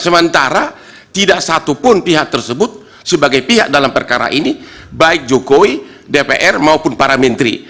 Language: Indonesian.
sementara tidak satupun pihak tersebut sebagai pihak dalam perkara ini baik jokowi dpr maupun para menteri